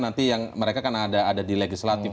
nanti mereka kan ada di legislatif